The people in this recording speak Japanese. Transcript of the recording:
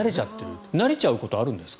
慣れちゃうことってあるんですか？